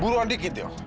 buruan dikit yoh